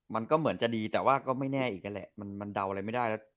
มันก็เหมือนจะดีแต่ว่าก็ไม่แน่อีกก็แหละ